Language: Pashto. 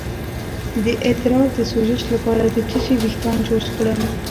د ادرار د سوزش لپاره د څه شي ویښتان جوش کړم؟